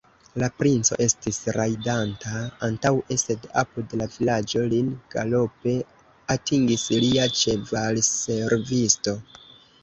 La princo estis rajdanta antaŭe, sed apud la vilaĝo lin galope atingis lia ĉevalservisto.